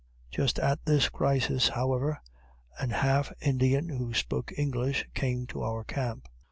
Just at this crisis, however, an half Indian, who spoke English, came to our camp.